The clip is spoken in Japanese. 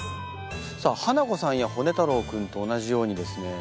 さあハナコさんやホネ太郎君と同じようにですね